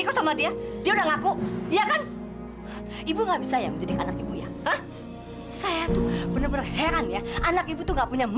kamu ingin sekali merasakan menjadi orang kaya gitu